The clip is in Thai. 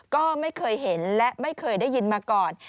ก็ไม่เคยเห็นและไม่เคยได้ยินมาก่อน